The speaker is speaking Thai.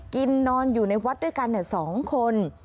กินนอนอยู่ในวัดด้วยกันสองคน